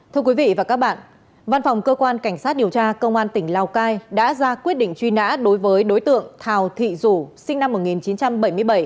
thưa quý vị và các bạn văn phòng cơ quan cảnh sát điều tra công an tỉnh lào cai đã ra quyết định truy nã đối với đối tượng thào thị rủ sinh năm một nghìn chín trăm bảy mươi bảy